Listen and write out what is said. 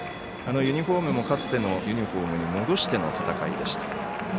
ユニフォームもかつてのユニフォームに戻しての戦いでした。